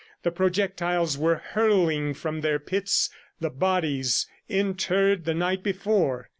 The projectiles were hurling from their pits the bodies interred the night before.